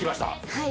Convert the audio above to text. はい。